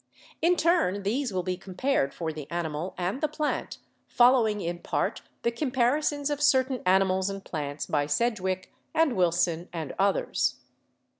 In turn these will be compared for the animal and the plant, following in part the comparisons of certain animals and plants by Sedgwick and Wilson and others.